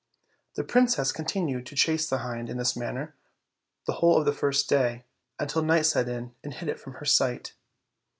The princess continued to chase the hind in this manner the whole of the first day, until night set in and hid it from her sight.